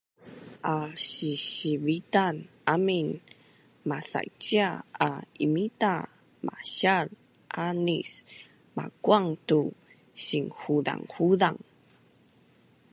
alsisivitan amin masaicia a imita masial anis makuang tu sinhuzanghuzang